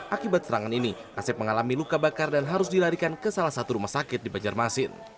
akibat serangan ini asep mengalami luka bakar dan harus dilarikan ke salah satu rumah sakit di banjarmasin